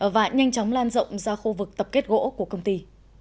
và nhanh chóng lan rộng ra khu vực tập kết gỗ của công ty